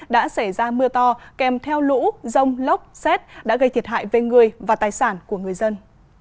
đã xảy ra mưa to kèm theo lũ rông lốc xét đã gây thiệt hại về người và tài sản của người dân